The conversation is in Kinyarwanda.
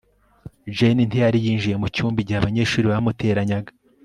jane ntiyari yinjiye mucyumba igihe abanyeshuri bamuteranyaga